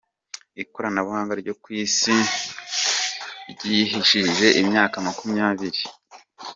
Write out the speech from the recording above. Ikoranabuhanga ryo Kw’isi ryijihije imyaka makumyabiri